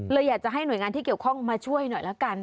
อยากจะให้หน่วยงานที่เกี่ยวข้องมาช่วยหน่อยละกัน